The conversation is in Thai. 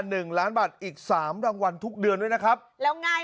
หนึ่งล้านบาทอีกสามรางวัลทุกเดือนด้วยนะครับแล้วง่าย